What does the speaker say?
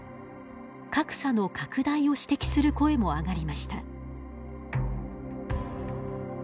格差の拡大を指摘する声も上がりました。